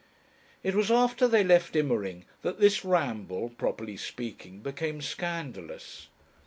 It was after they left Immering that this ramble, properly speaking, became scandalous.